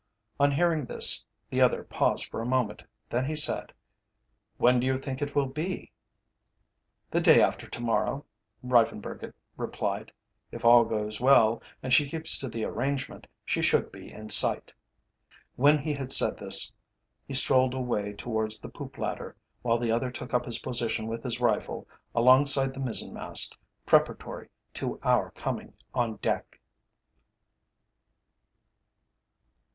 _' On hearing this the other paused for a moment, then he said: "'When do you think it will be?' "'The day after to morrow,' Reiffenburg replied. 'If all goes well, and she keeps to the arrangement, she should be in sight.' When he had said this he strolled away towards the poop ladder, while the other took up his position, with his rifle, alongside the mizzen mast, preparatory to our coming on deck."